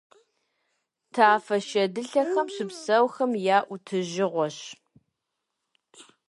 Тафэ шэдылъэхэм щыпсэухэм я ӀутӀыжыгъуэщ.